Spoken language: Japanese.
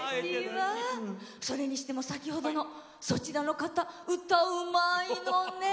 それにしても先ほどのそちらの方歌がうまいのね。